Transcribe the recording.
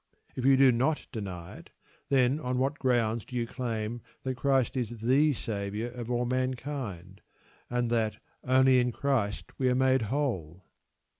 If you do not deny it, then on what grounds do you claim that Christ is the Saviour of all mankind, and that "only in Christ we are made whole"?